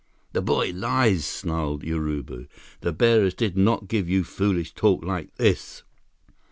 "The boy lies," snarled Urubu. "The bearers did not give you foolish talk like this."